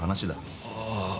ああ。